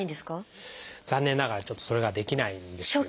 残念ながらちょっとそれができないんですよ。